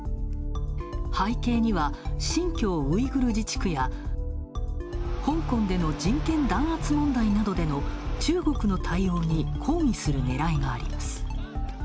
背景には、新疆ウイグル自治区や香港での人権弾圧問題など中国の対応に抗議する狙いがあります。